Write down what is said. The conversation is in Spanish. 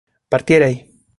partierais